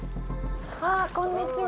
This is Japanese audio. あ、こんにちは。